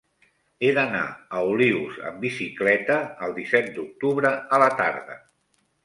He d'anar a Olius amb bicicleta el disset d'octubre a la tarda.